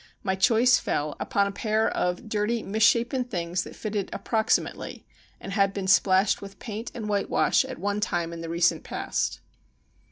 My choice fell upon, a pair of dirty misshapen things that fitted approximately and had been splashed with paint and whitewash at one time ivi the recent past.